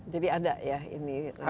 jadi ada ya ini